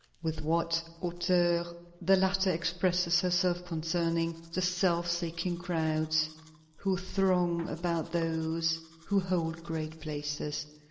With what hauteur the latter expresses herself concerning "the self seeking crowds who throng about those who hold great places"!